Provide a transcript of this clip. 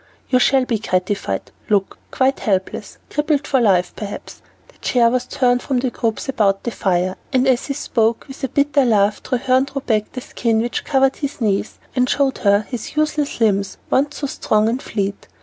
"You shall be gratified; look, quite helpless, crippled for life, perhaps." The chair was turned from the groups about the fire, and as he spoke, with a bitter laugh Treherne threw back the skin which covered his knees, and showed her the useless limbs once so strong and fleet.